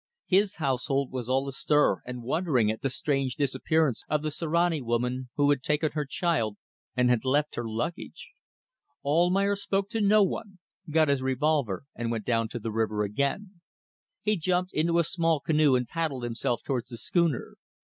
His household was all astir and wondering at the strange disappearance of the Sirani woman, who had taken her child and had left her luggage. Almayer spoke to no one, got his revolver, and went down to the river again. He jumped into a small canoe and paddled himself towards the schooner.